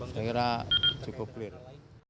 segera cukup lirik